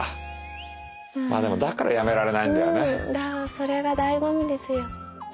それがだいご味ですよ。